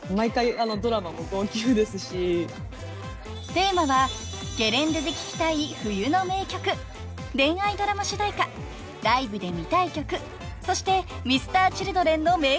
［テーマはゲレンデで聴きたい冬の名曲恋愛ドラマ主題歌ライブで見たい曲そしてＭｒ．Ｃｈｉｌｄｒｅｎの名曲］